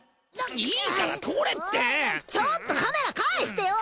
いいから撮れってちょっとカメラ返してよ！